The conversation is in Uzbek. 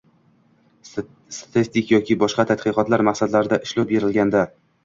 statistik yoki boshqa tadqiqot maqsadlarida ishlov berilganda;